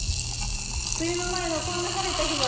梅雨の前のこんな晴れた日は。